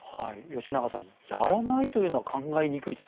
吉永さんやらないというのは考えにくいと。